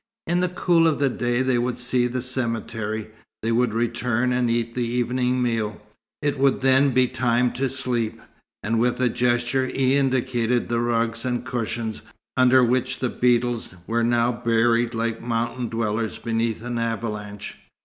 In the cool of the day they would see the cemetery; they would return, and eat the evening meal. It would then be time to sleep. And with a gesture he indicated the rugs and cushions, under which the beetles were now buried like mountain dwellers beneath an avalanche.